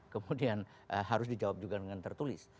kemudian harus dijawab juga dengan tertulis